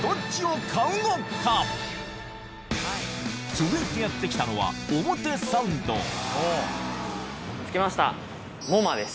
続いてやって来たのは着きましたＭｏＭＡです。